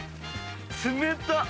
冷たっ！